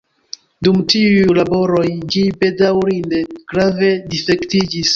Dum tiuj laboroj ĝi bedaŭrinde grave difektiĝis.